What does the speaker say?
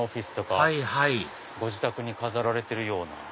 はいはいご自宅に飾られてるような。